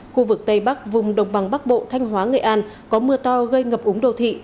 khu vực tây bắc vùng đồng bằng bắc bộ thanh hóa nghệ an có mưa to gây ngập úng đồ thị